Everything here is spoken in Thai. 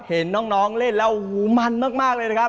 เห็นน้องเล่นแล้วโอ้โหมันมากเลยนะครับ